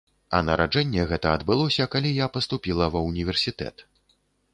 А нараджэнне гэта адбылося, калі я паступіла ва універсітэт.